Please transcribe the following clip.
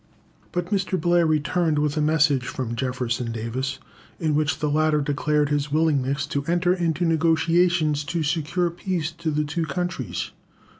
But Mr. Blair returned with a message from Jefferson Davis, in which the latter declared his willingness to enter into negotiations to secure peace to the two countries.